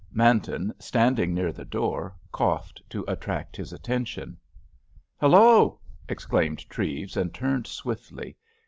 Manton, standing near the door, coughed to attract his attention. "Hallo!" exclaimed Treves, and turned swiftly.